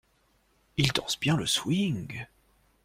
Il danse bien le swing.